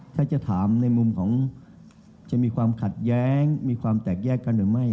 ถ้าจะถามในมุมของจะมีความขัดแย้งมีความแตกแยกกันหรือไม่